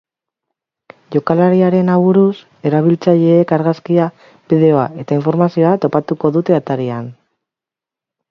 Jokalariaren aburuz, erabiltzaileek argazkia, bideoa eta informazioa topatuko dute atarian.